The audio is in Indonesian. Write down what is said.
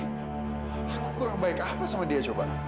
aku kurang baik apa sama dia coba